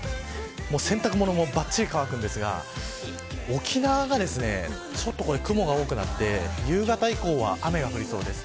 洗濯物もばっちり乾きますが沖縄が雲が多くなって、夕方以降は雨が降りそうです。